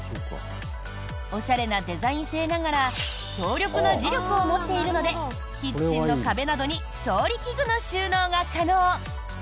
おしゃれなデザイン性ながら強力な磁力を持っているのでキッチンの壁などに調理器具の収納が可能。